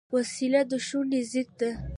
وسله د ښوونې ضد ده